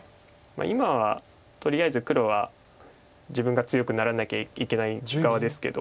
今はとりあえず黒は自分が強くならなきゃいけない側ですけど。